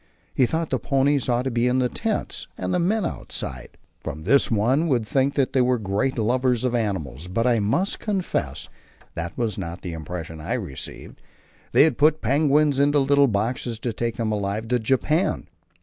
He thought the ponies ought to be in the tents and the men outside. From this one would think they were great lovers of animals, but I must confess that was not the impression I received. They had put penguins into little boxes to take them alive to Japan!